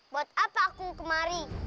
buat apa aku kemari